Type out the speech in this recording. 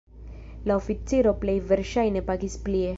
La oficiro plej verŝajne pagis plie.